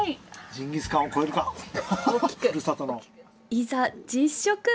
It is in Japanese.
いざ実食！